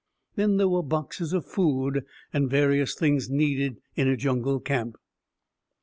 Then there were boxes of food and various things needed in a jungle camp.